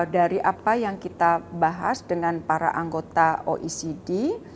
dari apa yang kita bahas dengan para anggota oecd